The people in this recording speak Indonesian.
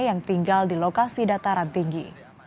yang tinggal di lokasi dataran tinggi